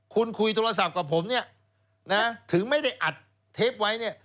คุณคุยโทรศัพท์กับผมเนี่ยนะถึงไม่ได้อัดเทปไว้เนี่ย